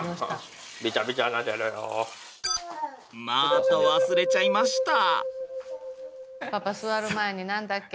また忘れちゃいました。